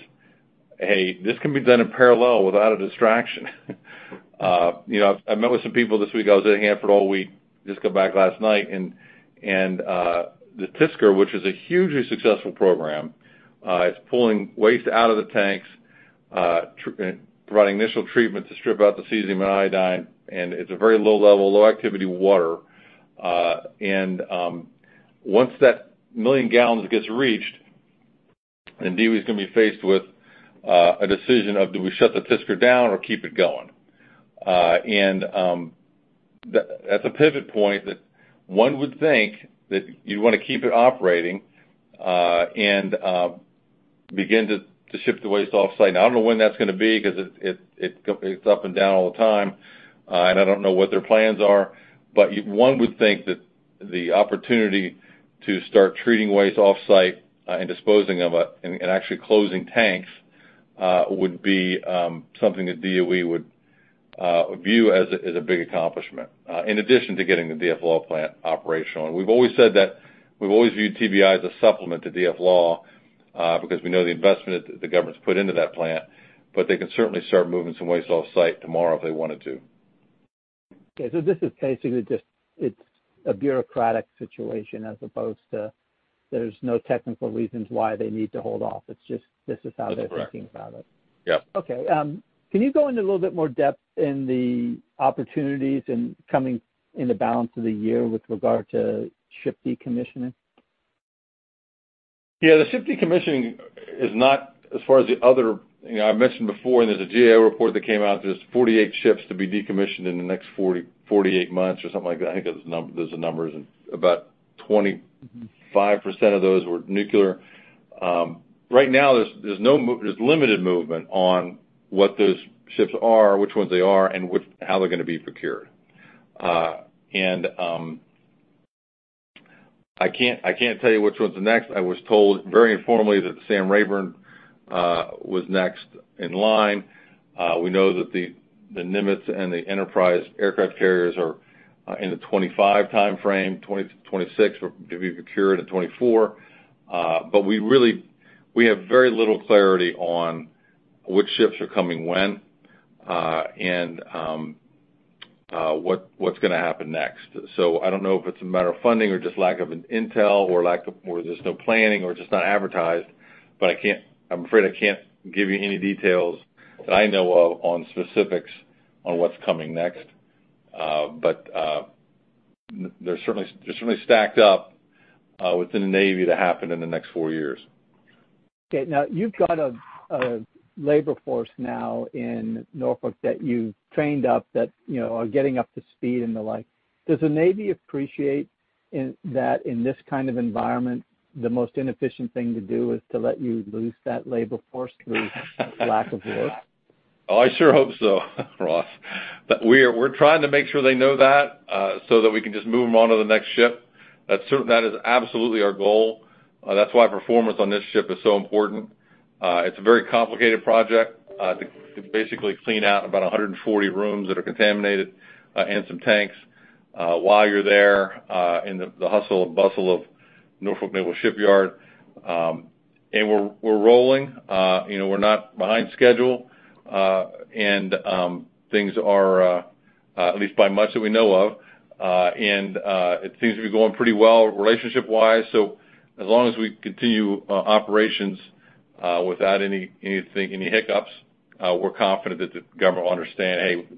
hey, this can be done in parallel without a distraction. You know, I've met with some people this week. I was in Hanford all week, just got back last night. The TSCR, which is a hugely successful program, it's pulling waste out of the tanks, providing initial treatment to strip out the cesium and iodine, and it's a very low level, low activity water. Once that 1 million gallons gets reached, then DOE's gonna be faced with a decision of do we shut the TSCR down or keep it going? At the pivot point that one would think that you wanna keep it operating, and begin to ship the waste off-site. Now, I don't know when that's gonna be 'cause it's up and down all the time. I don't know what their plans are. One would think that the opportunity to start treating waste off-site, and disposing of and actually closing tanks, would be something that DOE would view as a big accomplishment, in addition to getting the DFLAW plant operational. We've always said that we've always viewed TBI as a supplement to DFLAW, because we know the investment the government's put into that plant, but they can certainly start moving some waste off-site tomorrow if they wanted to.
Okay, this is basically just it's a bureaucratic situation as opposed to there's no technical reasons why they need to hold off. It's just this is how they're-
That's correct.
Thinking about it.
Yep.
Can you go into a little bit more depth in the opportunities coming in the balance of the year with regard to ship decommissioning?
Yeah, the ship decommissioning is not as far as the other. You know, I mentioned before. There's a GAO report that came out. There's 48 ships to be decommissioned in the next 40, 48 months or something like that. I think those are the numbers. About 25% of those were nuclear. Right now there's limited movement on what those ships are, which ones they are, and how they're gonna be procured. I can't tell you which one's the next. I was told very informally that the Sam Rayburn was next in line. We know that the Nimitz and the Enterprise aircraft carriers are in the 2025 timeframe. 2026 will be procured in 2024. We really have very little clarity on which ships are coming when, and what's gonna happen next. I don't know if it's a matter of funding or just lack of intel or lack of planning or just not advertised, but I'm afraid I can't give you any details that I know of on specifics on what's coming next. There's certainly stacked up within the Navy to happen in the next four years.
Okay, now you've got a labor force now in Norfolk that you trained up that, you know, are getting up to speed and the like. Does the Navy appreciate that in this kind of environment, the most inefficient thing to do is to let you lose that labor force through lack of work?
Oh, I sure hope so, Ross. We're trying to make sure they know that so that we can just move them on to the next ship. That is absolutely our goal. That's why performance on this ship is so important. It's a very complicated project to basically clean out about 140 rooms that are contaminated and some tanks while you're there in the hustle and bustle of Norfolk Naval Shipyard. We're rolling. You know, we're not behind schedule and things are at least not behind by much that we know of. It seems to be going pretty well relationship-wise. As long as we continue operations without any hiccups, we're confident that the government will understand, hey,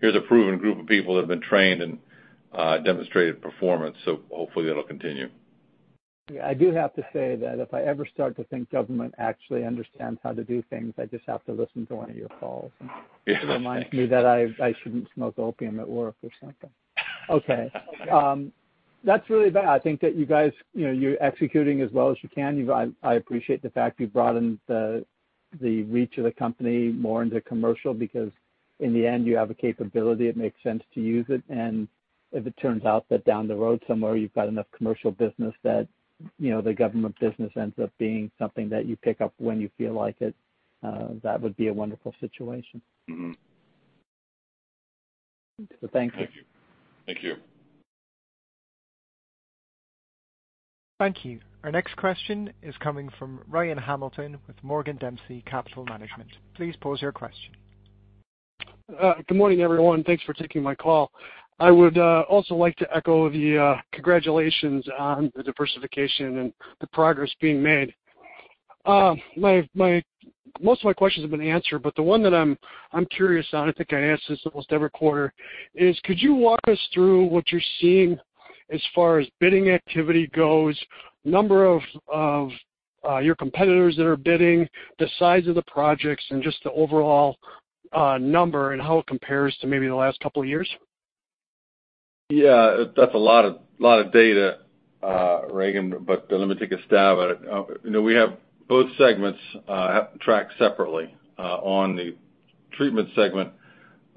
here's a proven group of people that have been trained and demonstrated performance. Hopefully that'll continue.
Yeah. I do have to say that if I ever start to think government actually understands how to do things, I just have to listen to one of your calls. It reminds me that I shouldn't smoke opium at work or something. Okay. That's really about it. I think that you guys, you know, you're executing as well as you can. I appreciate the fact you've broadened the reach of the company more into commercial, because in the end, you have a capability, it makes sense to use it. If it turns out that down the road somewhere you've got enough commercial business that, you know, the government business ends up being something that you pick up when you feel like it, that would be a wonderful situation. Thank you.
Thank you.
Thank you. Our next question is coming from Ryan Hamilton with Morgan Dempsey Capital Management. Please pose your question.
Good morning, everyone. Thanks for taking my call. I would also like to echo the congratulations on the diversification and the progress being made. Most of my questions have been answered, but the one that I'm curious on, I think I ask this almost every quarter is, could you walk us through what you're seeing as far as bidding activity goes, number of your competitors that are bidding, the size of the projects, and just the overall number and how it compares to maybe the last couple of years?
Yeah. That's a lot of data, Ryan, but let me take a stab at it. You know, we have both segments track separately. On the treatment segment, as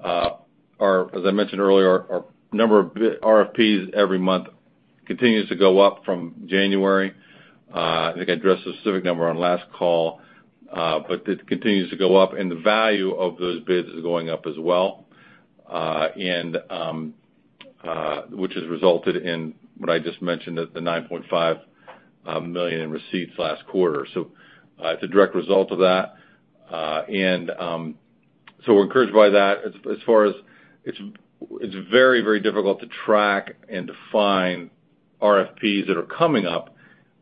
I mentioned earlier, our number of RFPs every month continues to go up from January. I think I addressed the specific number on last call, but it continues to go up, and the value of those bids is going up as well, which has resulted in what I just mentioned, $9.5 million in receipts last quarter. It's a direct result of that. We're encouraged by that. As far as it's very difficult to track and define RFPs that are coming up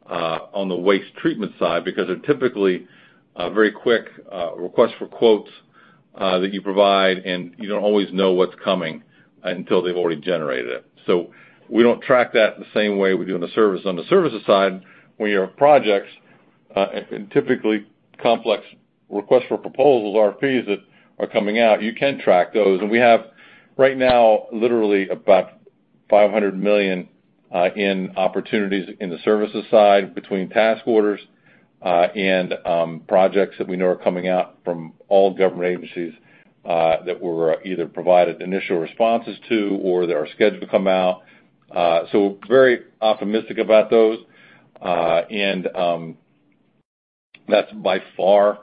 on the waste treatment side because they're typically a very quick request for quotes that you provide and you don't always know what's coming until they've already generated it. We don't track that the same way we do in the service. On the services side, when you have projects and typically complex requests for proposals, RFPs that are coming out, you can track those. We have right now literally about $500 million in opportunities in the services side between task orders and projects that we know are coming out from all government agencies that we're either provided initial responses to or that are scheduled to come out. Very optimistic about those. That's by far,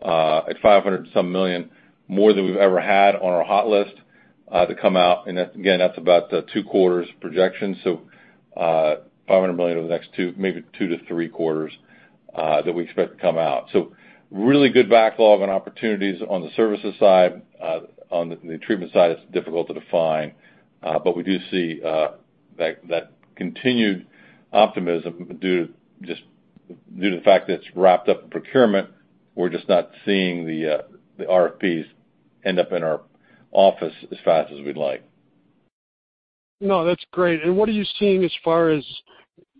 at $500 and some million, more than we've ever had on our hot list to come out. That's about two quarters projection, so $500 million over the next two, maybe two to three quarters that we expect to come out. Really good backlog on opportunities on the services side. On the treatment side, it's difficult to define, but we do see that continued optimism due to the fact that it's wrapped up in procurement. We're just not seeing the RFPs end up in our office as fast as we'd like.
No, that's great. What are you seeing as far as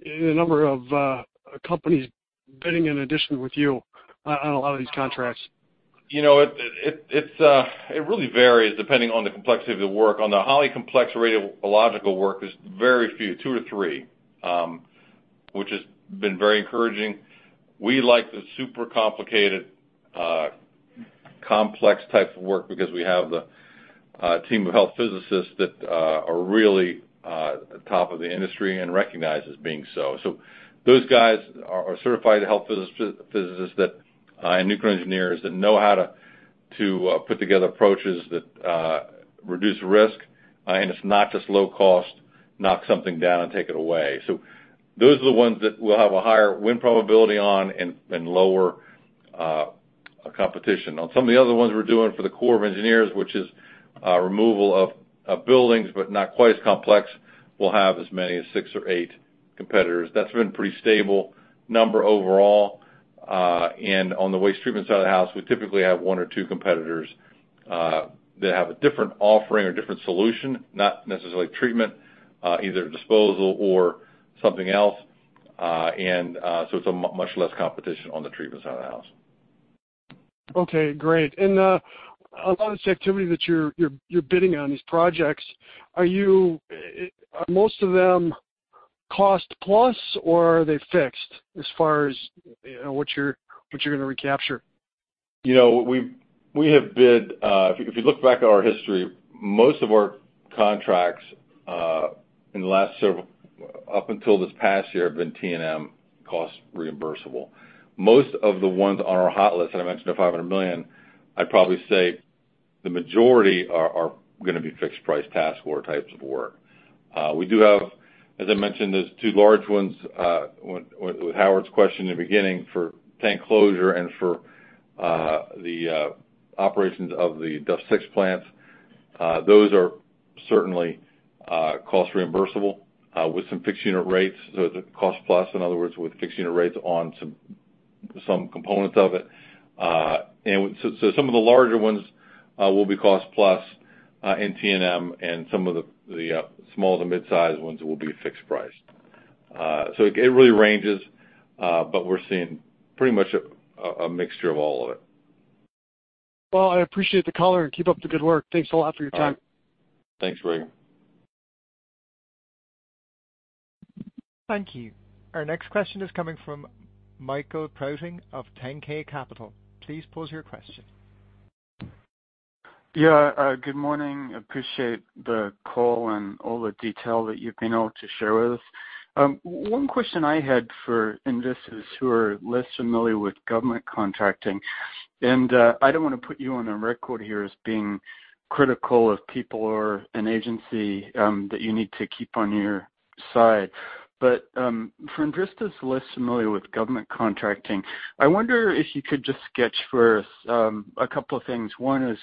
the number of companies bidding in addition with you on a lot of these contracts?
You know, it really varies depending on the complexity of the work. On the highly complex radiological work, there's very few, 2-3, which has been very encouraging. We like the super complicated, complex type of work because we have the team of health physicists that are really top of the industry and recognized as being so. Those guys are certified health physicists and nuclear engineers that know how to put together approaches that reduce risk. It's not just low cost, knock something down and take it away. Those are the ones that we'll have a higher win probability on and lower competition. On some of the other ones we're doing for the Corps of Engineers, which is removal of buildings, but not quite as complex, we'll have as many as six or eight competitors. That's been pretty stable number overall. On the waste treatment side of the house, we typically have one or two competitors that have a different offering or different solution, not necessarily treatment, either disposal or something else. It's much less competition on the treatment side of the house.
Okay, great. A lot of this activity that you're bidding on these projects, are most of them cost plus or are they fixed as far as, you know, what you're gonna recapture?
You know, we have bid. If you look back at our history, most of our contracts in the last several up until this past year have been T&M cost reimbursable. Most of the ones on our hot list, and I mentioned the $500 million, I'd probably say the majority are gonna be fixed price task or types of work. We do have. As I mentioned, there's two large ones with Howard's question in the beginning for tank closure and for the operations of the DUF6 plants. Those are certainly cost reimbursable with some fixed unit rates. The cost plus, in other words, with fixed unit rates on some components of it. Some of the larger ones will be cost-plus T&M, and some of the small to mid-size ones will be fixed price. It really ranges, but we're seeing pretty much a mixture of all of it.
Well, I appreciate the color, and keep up the good work. Thanks a lot for your time.
All right. Thanks, Ryan.
Thank you. Our next question is coming from Michael Prouting of 10K Capital. Please pose your question.
Yeah, good morning. Appreciate the call and all the detail that you've been able to share with us. One question I had for investors who are less familiar with government contracting, and I don't wanna put you on a record here as being critical of people or an agency that you need to keep on your side. For investors less familiar with government contracting, I wonder if you could just sketch for us a couple of things. One is,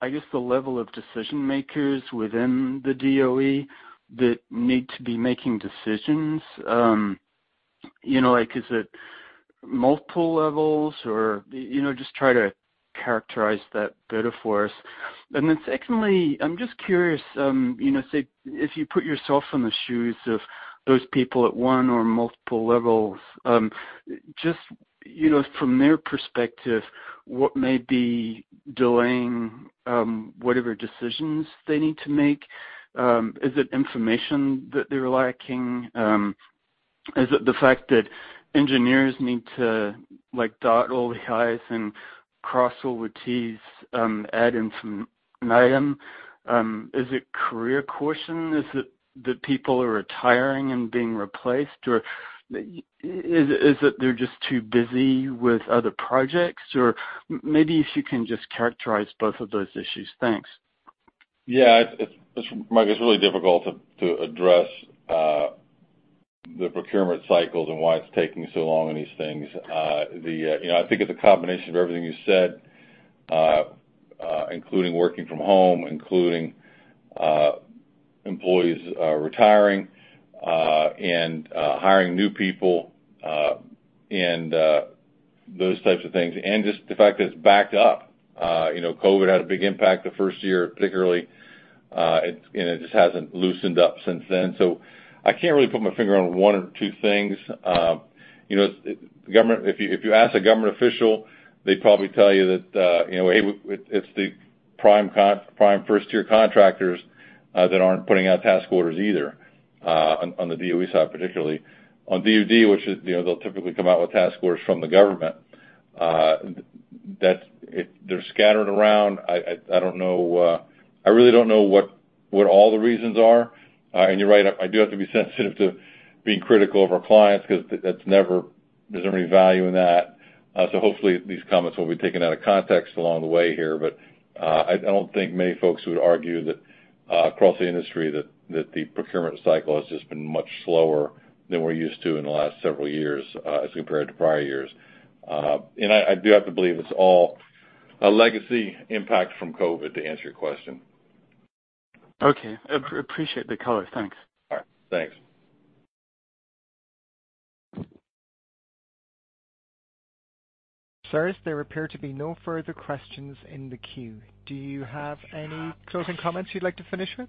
I guess, the level of decision makers within the DOE that need to be making decisions. You know, like, is it multiple levels or, you know, just try to characterize that better for us. Then secondly, I'm just curious, you know, say if you put yourself in the shoes of those people at one or multiple levels, just, you know, from their perspective, what may be delaying whatever decisions they need to make, is it information that they're lacking? Is it the fact that engineers need to like dot all the I's and cross all the T's, add in some item? Is it career caution? Is it that people are retiring and being replaced? Or is it they're just too busy with other projects? Or maybe if you can just characterize both of those issues. Thanks.
Yeah. Mike, it's really difficult to address the procurement cycles and why it's taking so long in these things. You know, I think it's a combination of everything you said, including working from home, employees retiring, and hiring new people, and those types of things. Just the fact that it's backed up. You know, COVID had a big impact the first year, particularly, and it just hasn't loosened up since then. I can't really put my finger on one or two things. You know, if you ask a government official, they'd probably tell you that, you know, hey, it's the prime first-tier contractors that aren't putting out task orders either, on the DOE side, particularly. On DoD, which is, they'll typically come out with task orders from the government. They're scattered around. I don't know. I really don't know what all the reasons are. You're right, I do have to be sensitive to being critical of our clients 'cause there's never any value in that. Hopefully these comments will be taken out of context along the way here, but I don't think many folks would argue that across the industry that the procurement cycle has just been much slower than we're used to in the last several years, as compared to prior years. I do have to believe it's all a legacy impact from COVID, to answer your question.
Okay. Appreciate the color. Thanks.
All right. Thanks.
Sir, there appear to be no further questions in the queue. Do you have any closing comments you'd like to finish with?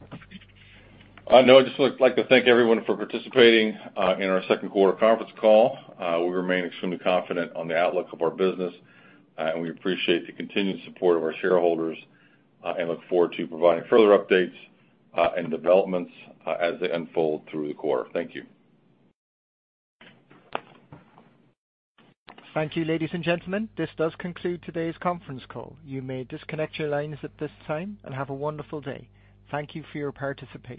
No, I'd just like to thank everyone for participating in our second quarter conference call. We remain extremely confident on the outlook of our business, and we appreciate the continued support of our shareholders, and look forward to providing further updates, and developments, as they unfold through the quarter. Thank you.
Thank you, ladies and gentlemen. This does conclude today's conference call. You may disconnect your lines at this time, and have a wonderful day. Thank you for your participation.